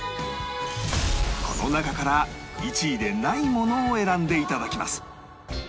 この中から１位でないものを選んでいただきます